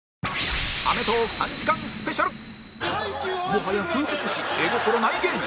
もはや風物詩絵心ない芸人